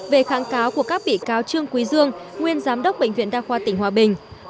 về kháng cáo của các bị cáo trương quý dương nguyên giám đốc bệnh viện đa khoa tỉnh hòa bình